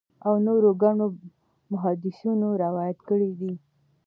او نورو ګڼو محدِّثينو روايت کړی دی